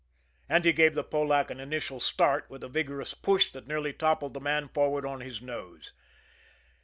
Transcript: And he gave the Polack an initial start with a vigorous push that nearly toppled the man forward on his nose.